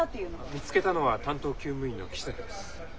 見つけたのは担当厩務員の木崎です。